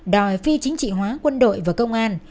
đòi phi chính trị hóa quân đội và công an